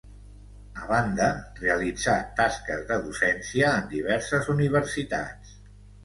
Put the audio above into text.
A banda, realitzà tasques de docència en diverses universitats.